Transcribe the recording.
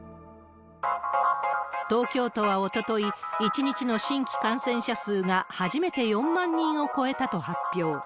東京都はおととい、１日の新規感染者数が初めて４万人を超えたと発表。